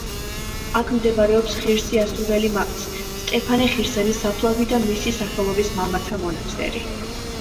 აქ მდებარეობს ღირსი ასურელი მამის სტეფანე ხირსელის საფლავი და მისი სახელობის მამათა მონასტერი.